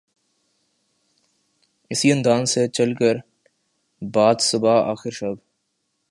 اسی انداز سے چل باد صبا آخر شب